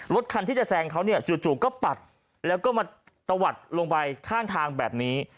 รถคันที่จะแซงเขาเนี่ยจู่ก็ปัดแล้วก็มาตะวัดลงไปข้างทางแบบนี้